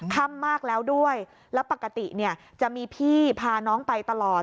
ค่ำมากแล้วด้วยแล้วปกติเนี่ยจะมีพี่พาน้องไปตลอด